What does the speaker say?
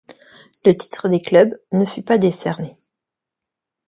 Le titre des clubs ne fut pas décerné.